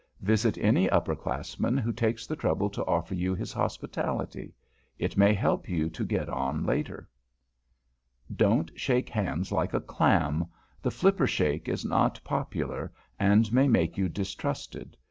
Visit any upper classman who takes the trouble to offer you his hospitality. It may help you to get on, later. [Sidenote: THAT HAND SHAKE] Don't shake hands like a clam. The flipper shake is not popular, and may make you distrusted.